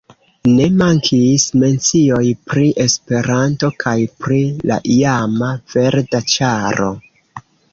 Ne mankis mencioj pri Esperanto kaj pri la iama Verda Ĉaro.